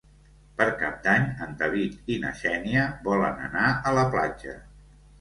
Per Cap d'Any en David i na Xènia volen anar a la platja.